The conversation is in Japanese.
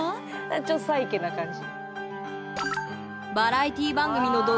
ちょっとサイケな感じ。